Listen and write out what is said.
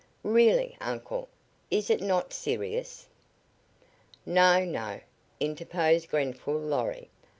"Really, Uncle, is it not serious?" "No, no," interposed Grenfall Lorry.